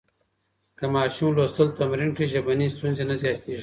که ماشوم لوستل تمرین کړي، ژبني ستونزې نه زیاتېږي.